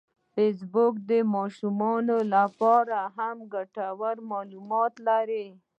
فېسبوک د ماشومانو لپاره هم ګټور معلومات لري